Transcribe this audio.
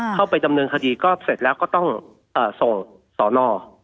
เข้าไปดำเนินคดีก็เสร็จแล้วก็ต้องส่งสอนอ